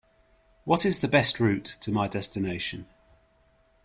What is the best route to my destination?